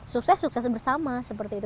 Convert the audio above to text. sukses sukses bersama seperti itu